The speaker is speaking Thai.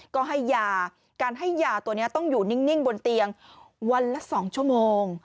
ก็ให้ยาการให้ยาตัวนี้ต้องอยู่นิ่งบนเตียงวันละ๒ชั่วโมง